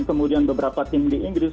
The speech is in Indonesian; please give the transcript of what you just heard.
kemudian beberapa tim di inggris